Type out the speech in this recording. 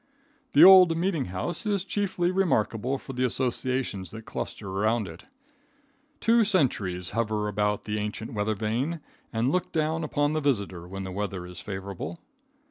The old meeting house is chiefly remarkable for the associations that cluster around it. Two centuries hover about the ancient weather vane and look down upon the visitor when the weather is favorable.